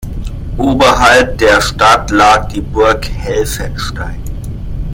Oberhalb der Stadt lag die Burg Helfenstein.